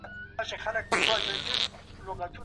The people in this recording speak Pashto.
د پامیر لوړې څوکي هم په بدخشان کي دي.